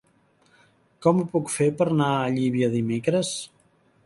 Com ho puc fer per anar a Llívia dimecres?